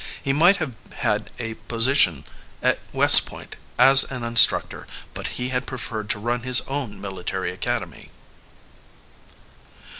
He might have had a position at West Point as an instructor, but he had preferred to run his own military academy.